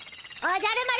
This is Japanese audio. おじゃる丸。